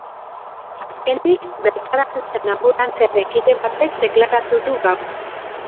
Azkenik, bertaratu zen anbulantziaren kide batek deklaratu du gaur.